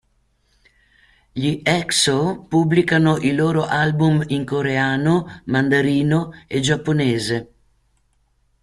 Gli Exo pubblicano i loro album in coreano, mandarino e giapponese.